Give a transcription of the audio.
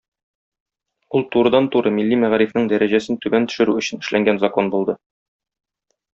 Ул турыдан-туры милли мәгарифнең дәрәҗәсен түбән төшерү өчен эшләнгән закон булды.